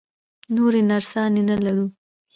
نورې نرسانې نه لرو؟